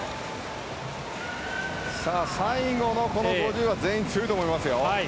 最後の５０は全員強いと思いますよ。